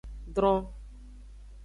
Dron.